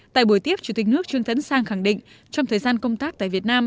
tại buổi tiếp chủ tịch nước trương tấn sang khẳng định trong thời gian công tác tại việt nam